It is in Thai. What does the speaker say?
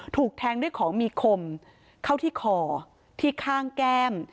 ถูกแทงด้วยของมีคมเข้าที่คอที่ข้างแก้ม